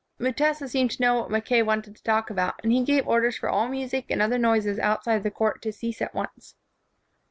Mutesa seemed to know what Mackay wanted to talk about, and he gave orders for all music and other noises outside the court to cease at once.